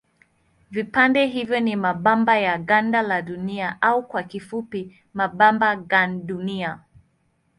Vipande hivyo ni mabamba ya ganda la Dunia au kwa kifupi mabamba gandunia.